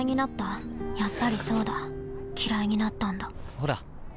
ほら。